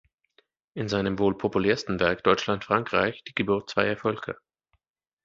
In seinem wohl populärsten Werk "Deutschland–Frankreich, Die Geburt zweier Völker.